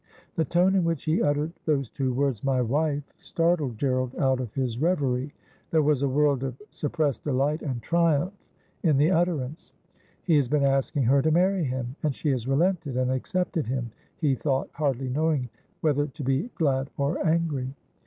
The tone in which he uttered those two words ' my wife,' '■For Wele or Wo, for Carole, or for Daunce? 237 startled Gerald out of his reverie. There was a world of sup pressed delight and triumph in the utterance. ' He has been asking her to marry him, and she has relented, and accepted him,' he thought, hardly knowing whether to be glad or angry.